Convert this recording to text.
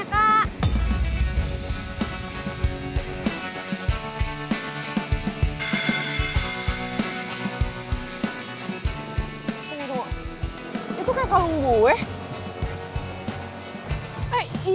kayaknya lo jotka atas belakang